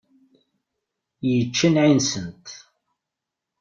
Yečča nneεi-nsent.